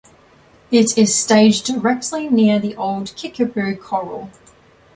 It is staged directly near the old Kickapoo Corral.